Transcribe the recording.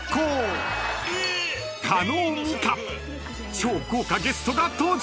［超豪華ゲストが登場。